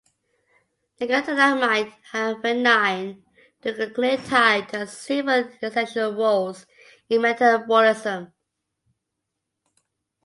Nicotinamide adenine dinucleotide has several essential roles in metabolism.